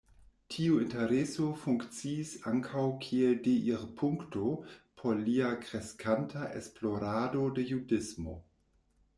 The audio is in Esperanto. Tiu intereso funkciis ankaŭ kiel deirpunkto por lia kreskanta esplorado de judismo.